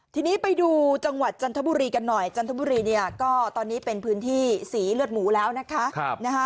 ทีนี้ไปดูจังหวัดจันทบุรีกันหน่อยจันทบุรีเนี่ยก็ตอนนี้เป็นพื้นที่สีเลือดหมูแล้วนะคะ